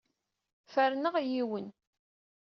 Ferneɣ yiwen.